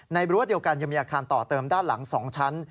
รั้วเดียวกันยังมีอาคารต่อเติมด้านหลัง๒ชั้น